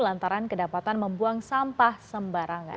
lantaran kedapatan membuang sampah sembarangan